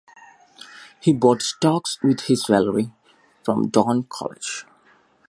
He bought stocks with his salary from Doane College.